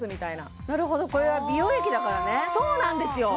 そっかなるほどこれは美容液だからねそうなんですよ